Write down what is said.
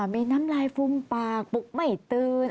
มีน้ำลายฟุมปากปุกไม่ตื่น